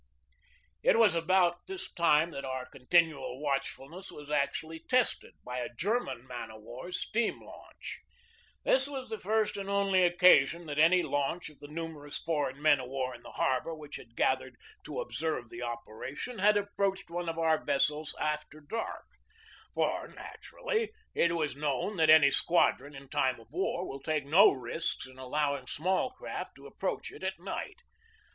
It was about this time that our continual watch fulness was actually tested by a German man of war's steam launch. This was the first and only 244 GEORGE DEWEY occasion that any launch of the numerous foreign men of war in the harbor which had gathered to ob serve the operations had approached one of our ves sels after dark; for, naturally, it was known that any squadron in time of war will take no risks in allow ing small craft to approach it at night.